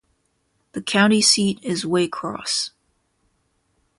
The county seat is Waycross.